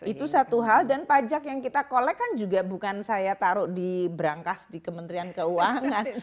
itu satu hal dan pajak yang kita kolek kan juga bukan saya taruh di berangkas di kementerian keuangan